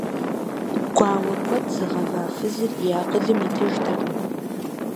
Гуауэ куэд зыгъэва фызыр и акъылым итыжтэкъым.